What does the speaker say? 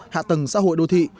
hạ tầng xã hội đô thị